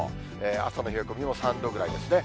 朝の冷え込みも３度ぐらいですね。